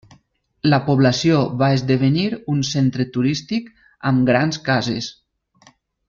La població va esdevenir un centre turístic amb grans cases.